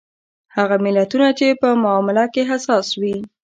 هغه ملتونه چې په معامله کې حساس وي.